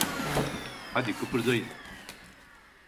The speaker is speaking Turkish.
Hadi, kıpırdayın!